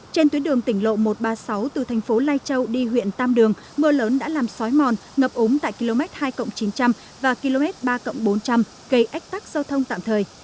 trên tuyến đường tỉnh lộ một trăm ba mươi sáu từ thành phố lai châu đi huyện tam đường mưa lớn đã làm xói mòn ngập ống tại km hai chín trăm linh và km ba bốn trăm linh gây ách tắc giao thông tạm thời